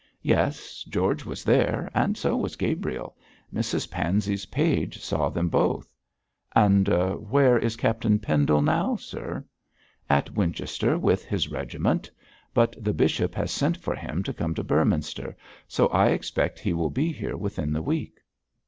'Yes, George was there, and so was Gabriel. Mrs Pansey's page saw them both.' 'And where is Captain Pendle now, sir?' 'At Wincaster with his regiment; but the bishop has sent for him to come to Beorminster, so I expect he will be here within the week.'